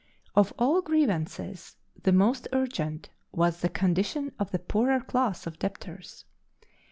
Of all grievances, the most urgent was the condition of the poorer class of debtors.